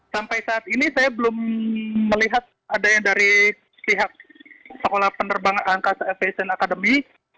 sampai saat ini saya belum melihat adanya dari pihak sekolah penerbangan angkasa fasn academy